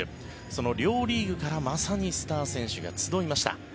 その両リーグからまさにスター選手が集いました。